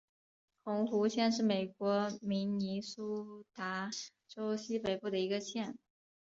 红湖县是美国明尼苏达州西北部的一个县。